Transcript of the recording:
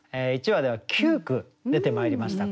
１話では９句出てまいりました。